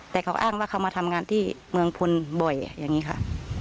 แต่เขาอ้างว่าเขามาทำงานที่เมืองพลบ่อยอย่างนี้ค่ะ